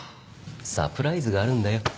サプライズがあるんだよ。